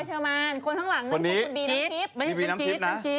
คนข้างหลังคุณบีน้ำทิพย์